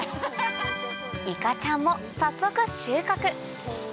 いかちゃんも早速収穫